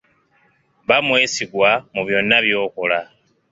Ba mwesigwa mu byonna by'okola.